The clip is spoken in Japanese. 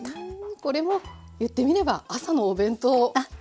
これも言ってみれば朝のお弁当ですよね。